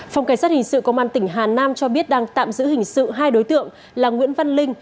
phòng cảnh sát hình sự công an tỉnh hà nam cho biết đang tạm giữ hình sự hai đối tượng là nguyễn văn linh